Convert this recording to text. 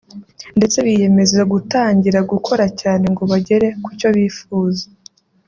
ndetse biyemeza gutangira gukora cyane ngo bagere ku cyo bifuza